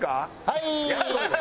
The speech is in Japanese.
はい！